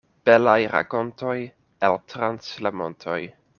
Belaj rakontoj el trans la montoj.